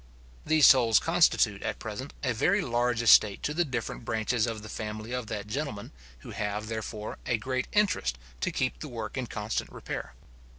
Those tolls constitute, at present, a very large estate to the different branches of the family of that gentleman, who have, therefore, a great interest to keep the work in constant repair.